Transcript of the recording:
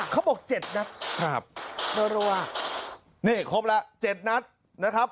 เขาบอกเจ็ดนัดครับรัวนี่ครบแล้วเจ็ดนัดนะครับ